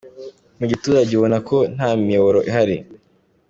Mu giturage ubona ko nta miyoboro ihari.